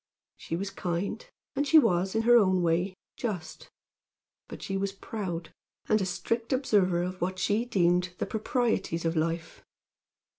She was kind; and she was, in her own way, just, but she was proud, and a strict observer of what she deemed the proprieties of life.